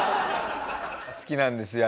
好きなんですよ